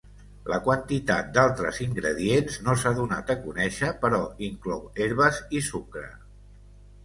La quantitat d'altres ingredients no s'ha donat a conèixer però inclou herbes i sucre.